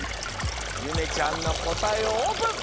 ゆめちゃんのこたえをオープン！